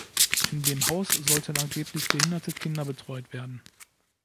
In dem Haus sollten angeblich behinderte Kinder betreut werden.